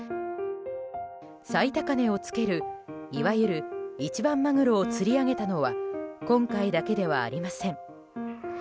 最高値を付けるいわゆる一番マグロを釣り上げたのは今回だけではありません。